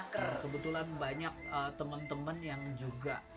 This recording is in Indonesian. kebetulan banyak teman teman yang juga